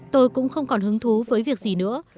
tôi cũng không còn hứng thú với việc gì nữa